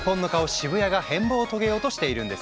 渋谷が変貌を遂げようとしているんです。